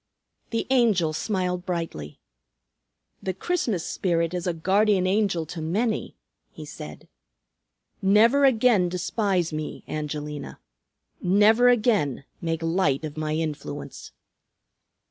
The Angel smiled brightly. "The Christmas Spirit is a guardian angel to many," he said. "Never again despise me, Angelina. Never again make light of my influence."